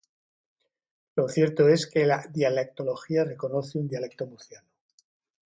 Lo cierto es que la dialectología reconoce un dialecto murciano.